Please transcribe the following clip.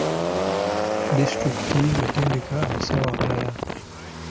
Disitulikiti yatendeka abasawo abalala.